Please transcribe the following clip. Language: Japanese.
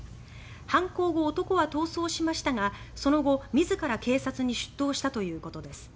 犯行後、男は逃走しましたがその後、自ら警察に出頭したということです。